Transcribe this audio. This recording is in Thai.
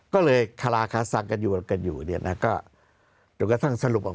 ก็เลยคาราคศสั่งกันอยู่กันอยู่นะฮะก็